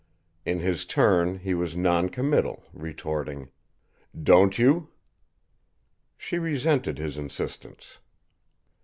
In his turn, he was non committal, retorting: "Don't you?" She resented his insistence.